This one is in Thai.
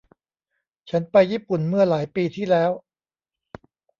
ฉันไปญี่ปุ่นเมื่อหลายปีที่แล้ว